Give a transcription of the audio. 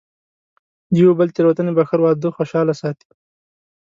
د یو بل تېروتنې بښل، واده خوشحاله ساتي.